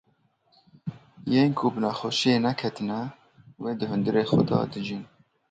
Yên ku bi nexweşiyê neketine, wê di hundirê xwe de dijîn.